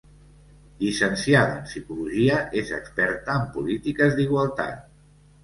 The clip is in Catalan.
Llicenciada en psicologia, és experta en polítiques d'igualtat.